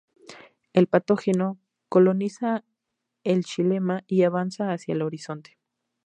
El patógeno coloniza el xilema y avanza hacia el rizoma.